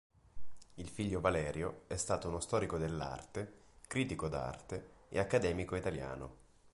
Il figlio Valerio è stato uno storico dell'arte, critico d'arte e accademico italiano.